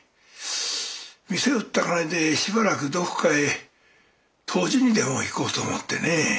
店を売った金でしばらくどこかへ湯治にでも行こうと思ってね。